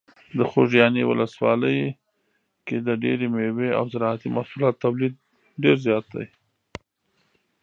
د خوږیاڼي ولسوالۍ کې د ډیری مېوې او زراعتي محصولاتو تولید ډیر زیات دی.